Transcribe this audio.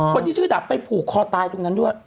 คนที่ชื่อดับไปผูกคอตายตรงนั้นด้วย